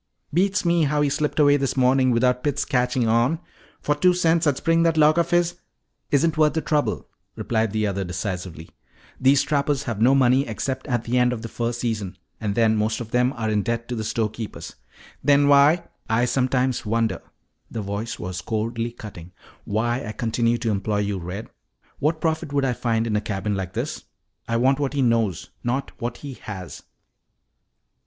"Beats me how he slipped away this morning without Pitts catching on. For two cents I'd spring that lock of his " "Isn't worth the trouble," replied the other decisively. "These trappers have no money except at the end of the fur season, and then most of them are in debt to the storekeepers." "Then why " "I sometimes wonder," the voice was coldly cutting, "why I continue to employ you, Red. What profit would I find in a cabin like this? I want what he knows, not what he has."